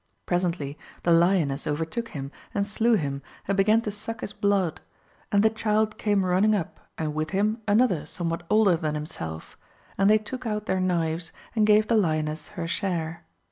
Presently the lioness overtook him and slew him and began to suck his blood, and the child came running up and with him another somewhat older than himself, and they took out their knives and gave the lioness her share.